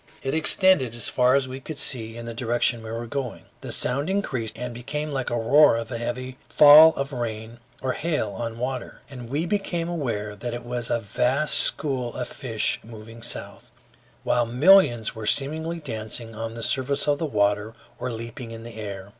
It extended as far as we could see, in the direction we were going. The sound increased and became like the roar of a heavy fall of rain or hail on water, and we became aware that it was a vast school of fish moving south, while millions were seemingly dancing on the surface of the water or leaping in the air.